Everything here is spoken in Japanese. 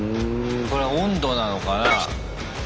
これ温度なのかな？